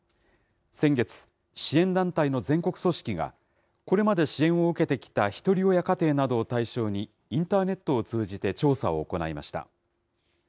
先月、支援団体の全国組織がこれまで支援を受けてきたひとり親家庭などを対象に、インターネットを通じて調査を行いました。